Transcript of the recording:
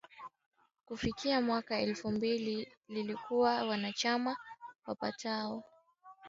Kufikia mwaka wa elfu mbili lilikuwa na wanachama wapatao